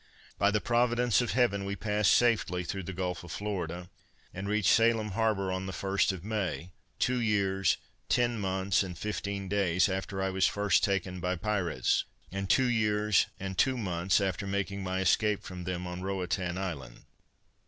By the providence of Heaven we passed safely through the Gulf of Florida, and reached Salem Harbor on the first of May, two years, ten months and fifteen days after I was first taken by pirates; and two years, and two months, after making my escape from them on Roatan island.